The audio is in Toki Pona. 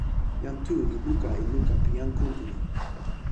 jan Tu li luka e luka pi jan Kuntuli.